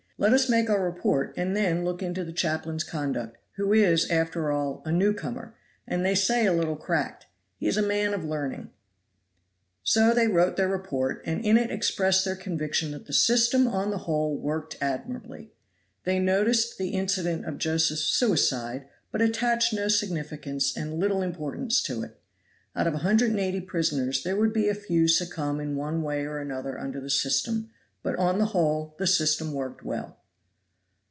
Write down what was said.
Let us make our report and then look into the chaplain's conduct, who is, after all, a newcomer, and they say a little cracked; he is a man of learning." So they wrote their report, and in it expressed their conviction that the system on the whole worked admirably. They noticed the incident of Josephs' suicide, but attached no significance and little importance to it. Out of a hundred and eighty prisoners there would be a few succumb in one way or another under the system, but on the whole the system worked well.